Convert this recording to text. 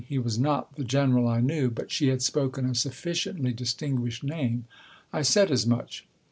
He was not the General I knew, but she had spoken a sufficiently distinguished name. I said as much.